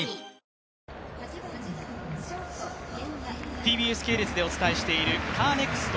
ＴＢＳ系列でお伝えしているカーネクスト